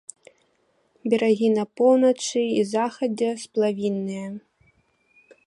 Берагі на поўначы і захадзе сплавінныя.